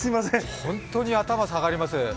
本当に頭が下がります。